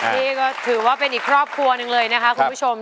นี่ก็ถือว่าเป็นอีกครอบครัวหนึ่งเลยนะคะคุณผู้ชม